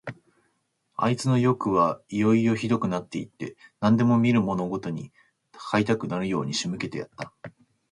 あいつのよくはいよいよひどくなって行って、何でも見るものごとに買いたくなるように仕向けてやった。